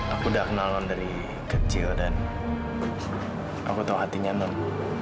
aku udah kenal non dari kecil dan aku tahu hatinya non